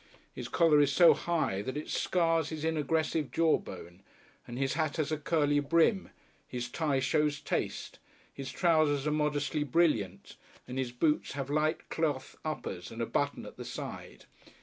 His collar is so high that it scars his inaggressive jawbone, and his hat has a curly brim, his tie shows taste, his trousers are modestly brilliant, and his boots have light cloth uppers and button at the side.